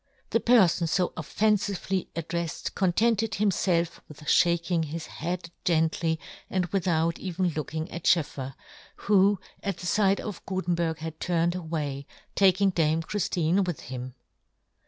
''" Theperfonfooffenfively addrefTed, contented himfelf with {baking his head gently, and without even looking at SchoefFer, who at the fight of Gutenberg had turned away, taking Dame Chrifliine with him.